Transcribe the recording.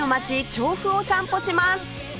調布を散歩します